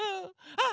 あっ！